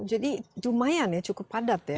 jadi lumayan ya cukup padat ya